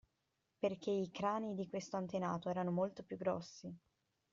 Perché i crani di questo antenato erano molto più grossi.